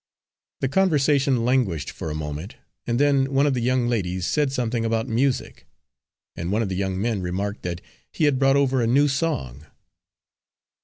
The conversation languished for a moment, and then one of the young ladies said something about music, and one of the young men remarked that he had brought over a new song.